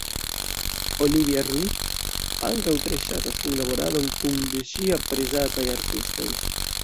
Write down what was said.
Olivia Ruiz ankaŭ tre ŝatas kunlaboradon kun de ŝi aprezataj artistoj.